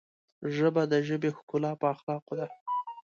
ژبه د ژبې ښکلا په اخلاقو ده